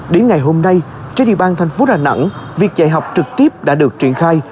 đến ngày hôm nay trên địa bàn thành phố đà nẵng việc dạy học trực tiếp đã được triển khai